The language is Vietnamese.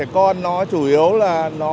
có thể đúng